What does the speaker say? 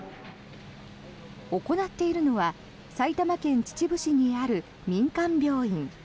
行っているのは埼玉県秩父市にある民間病院。